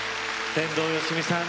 天童よしみさん